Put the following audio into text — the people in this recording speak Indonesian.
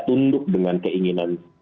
tunduk dengan keinginan